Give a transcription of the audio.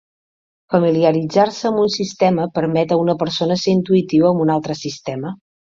Familiaritzar-se amb un sistema permet a una persona ser intuïtiu amb un altre sistema.